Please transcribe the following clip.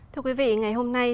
thưa quý vị ngày hôm nay